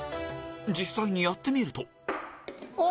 実際にやってみるとお！